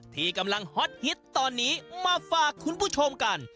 ที่กำลังฮอตฮิตตอนนี้มาฝากคุณผู้ชมกัน